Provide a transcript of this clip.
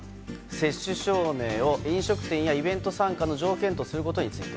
接種証明を飲食店やイベント参加の条件とすることについて。